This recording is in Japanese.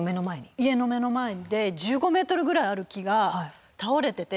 家の目の前で１５ｍぐらいある木が倒れてて。